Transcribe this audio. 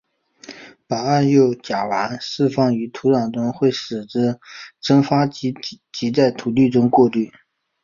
把二溴甲烷释放于土壤中会使之蒸发及在土地中过滤。